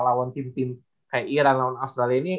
lawan tim tim kayak iran lawan australia ini